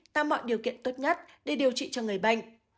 tạo mọi điều kiện tốt nhất để điều trị cho người bệnh